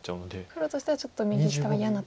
黒としてはちょっと右下は嫌な。